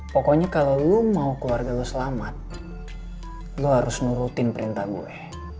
pokoknya kalau lo mau keluarga lo selamat lo harus nurutin perintah gue